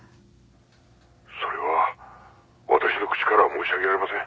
☎それはわたしの口からは申し上げられません。